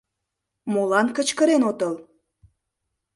Молан кычкырен отыл?